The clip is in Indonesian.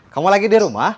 kamu lagi di rumah